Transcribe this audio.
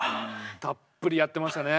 たっぷりやってましたね。